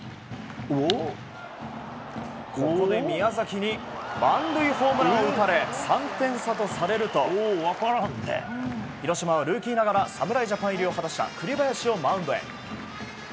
ここで宮崎に満塁ホームランを打たれ３点差とされると広島はルーキーながら侍ジャパン入りを果たした栗林をマウンドへ。